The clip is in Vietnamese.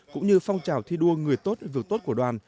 cũng như phong trào thi đua người tốt việc tốt của đoàn